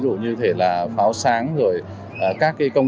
rất thân thiện